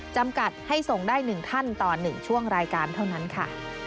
จำกัดให้ส่งได้๑ท่านต่อ๑ช่วงรายการเท่านั้นค่ะ